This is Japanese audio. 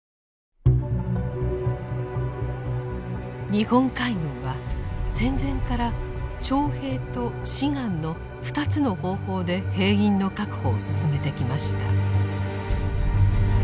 日本海軍は戦前から「徴兵」と「志願」の２つの方法で兵員の確保を進めてきました。